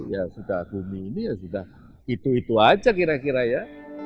ya sudah bumi ini ya sudah itu itu aja kira kira ya